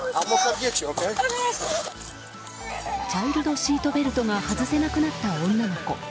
チャイルドシートベルトが外せなくなった女の子。